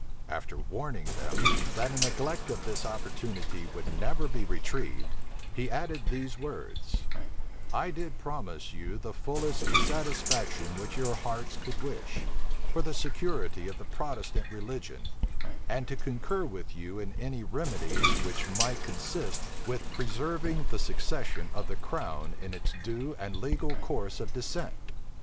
After warning them, that a neglect of this opportunity would never be retrieved, he added these words: "I did promise you the fullest satisfaction which your hearts could wish, for the security of the Protestant religion, and to concur with you in any remedies which might consist with preserving the succession of the crown in its due and legal course of descent.